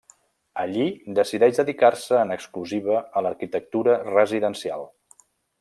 Allí decideix dedicar-se en exclusiva a l'arquitectura residencial.